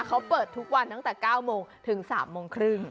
เขาเปิดทุกวันตั้งแต่๙โมงถึง๓โมงครึ่ง